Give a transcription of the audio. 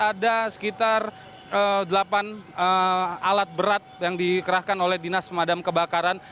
ada sekitar delapan alat berat yang dikerahkan oleh dinas pemadam kebakaran